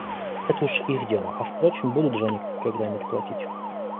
Это уж их дело, а впрочем, будут же они когда-нибудь платить.